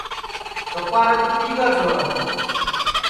سپا رت پِیگا چھورا